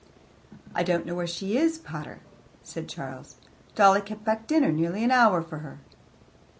"I don't know where she is, pater," said Charles. "Dolly kept back dinner nearly an hour for her."